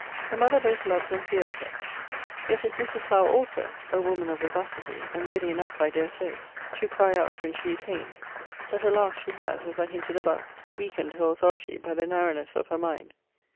Her mother both loves and fears her. Yet is Mrs. Howe also a woman of vivacity, and ready enough, I dare say, to cry out when she is pained. But, alas! she has, as I hinted above, weakened her authority by the narrowness of her mind.